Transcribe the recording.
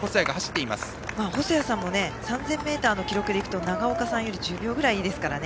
細谷さんも３０００ｍの記録でいくと長岡さんより１０秒ぐらいいいですからね。